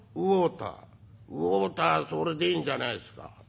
「ウォーターそれでいいんじゃないですか。